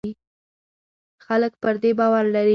خلک پر دې باور لري.